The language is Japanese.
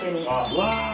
うわ。